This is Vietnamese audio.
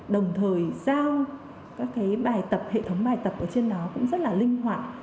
đồng thời giao các bài tập hệ thống bài tập ở trên đó cũng rất là linh hoạt